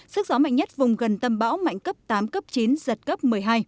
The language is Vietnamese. sức gió mạnh nhất vùng gần tâm bão mạnh cấp tám cấp chín giật cấp một mươi hai